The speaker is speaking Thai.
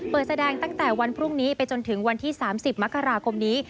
แสดงตั้งแต่วันพรุ่งนี้ไปจนถึงวันที่๓๐มกราคมนี้